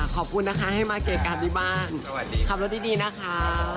ขอบคุณนะคะให้มาเกะกันที่บ้านขับรถดีนะคะ